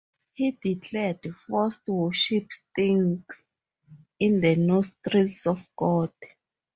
He declared, Forced worship stinks in the nostrils of God.